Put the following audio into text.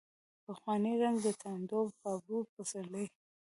پخوانی رنګ، دتاندو پاڼو پسرلي